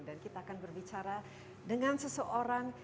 kita akan berbicara dengan seseorang